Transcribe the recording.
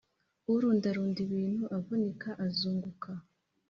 urundarunda ibintu avunika azunguka